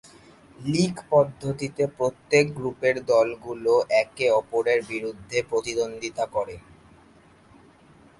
লীগ পদ্ধতিতে প্রত্যেক গ্রুপের দলগুলো একে-অপরের বিরুদ্ধে প্রতিদ্বন্দ্বিতা করে।